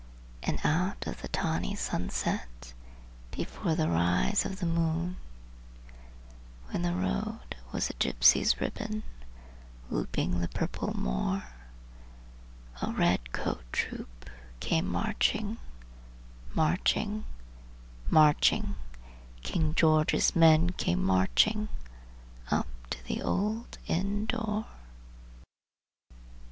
And out of the tawny sunset, before the rise of the moon, When the road was a gypsy's ribbon over the purple moor, The redcoat troops came marching Marching marching King George's men came marching, up to the old inn door.